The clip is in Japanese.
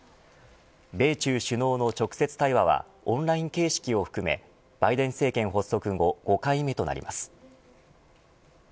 米中首脳の直接対話はオンライン形式を含めバイデン政権発足後５回目となります。